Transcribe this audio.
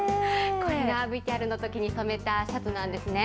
これがＶＴＲのときに染めたシャツなんですね。